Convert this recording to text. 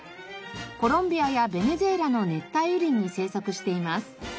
コロンビアやベネズエラの熱帯雨林に生息しています。